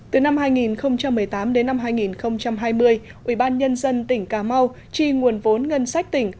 từ năm hai nghìn một mươi tám đến năm hai nghìn hai mươi ubnd tỉnh cà mau chi nguồn vốn ngân sách tỉnh